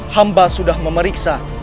hamba sudah memeriksa